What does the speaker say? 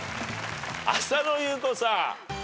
浅野ゆう子さん。